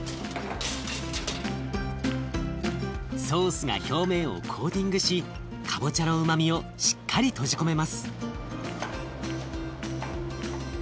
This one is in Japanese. ソースが表面をコーティングしかぼちゃのうまみをしっかり閉じ込めます。